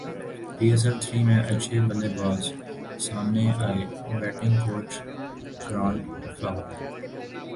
پی S L three میں اچھے بلے باز سامنے ائے بیٹنگ کوچ گرانٹ فلاور